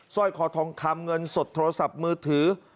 ร้อยคอทองคำเงินสดโทรศัพท์มือถือ